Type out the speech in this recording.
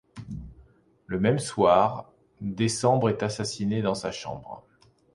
Le même soir, Décembre est assassiné dans sa chambre...